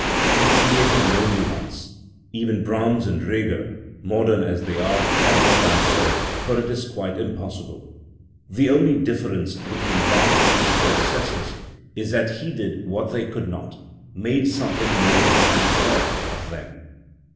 He created no new ones; even Brahms and Reger, modern as they are, have not done so, for. it is quite impossible. The only difference between Bach and his predecessors is that he did what they could not made something more than form of them.